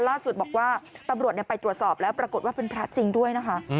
ล่าสุดบอกว่าตำรวจไปตรวจสอบแล้วปรากฏว่าเป็นพระจริงด้วยนะคะ